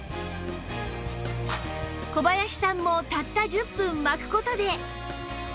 小林さんもたった１０分巻く事で